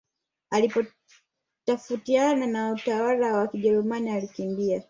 Alipotafautiana na utawala wa kijerumani alikimbia